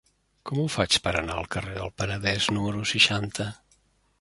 Com ho faig per anar al carrer del Penedès número seixanta?